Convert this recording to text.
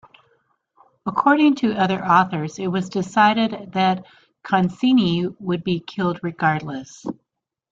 According to other authors, it was decided that Concini would be killed regardless.